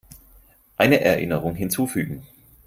Eine Erinnerung hinzufügen.